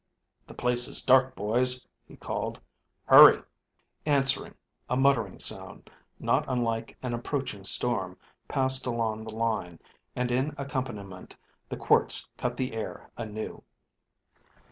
"The place is dark, boys," he called. "Hurry." Answering, a muttering sound, not unlike an approaching storm, passed along the line, and in accompaniment the quirts cut the air anew.